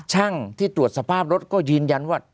ช่างที่ตรวจสภาพรถก็ยืนยันว่า